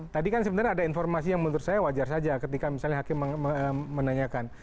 tadi kan sebenarnya ada informasi yang menurut saya wajar saja ketika misalnya hakim menanyakan